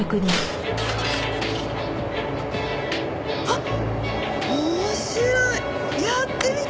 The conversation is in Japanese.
あっ面白い。